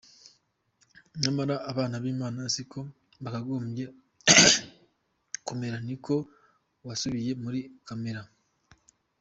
Nyamara abana b’Imana si ko bakagombye kumera ni uko wasubiye muri kamere.